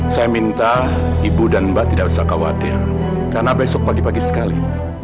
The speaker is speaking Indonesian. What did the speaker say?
saya minta ibu dan mbak tidak usah khawatir karena besok pagi pagi sekali